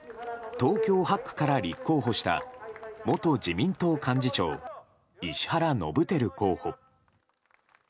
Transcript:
東京８区から立候補した元自民党幹事長・石原伸晃候補。